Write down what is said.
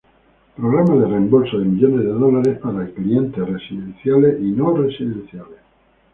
Programa de reembolso de millones de dólares para clientes residenciales y no residenciales.